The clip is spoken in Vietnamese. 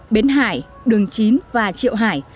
bến hải đường chín và triệu hải